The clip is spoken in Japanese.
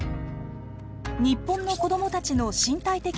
日本の子どもたちの身体的